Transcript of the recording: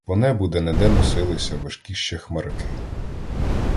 По небу де-не-де носилися важкі ще хмарки.